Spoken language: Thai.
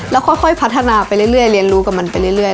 แล้วค่อยพัฒนาไปเรื่อยเรียนรู้กับมันไปเรื่อย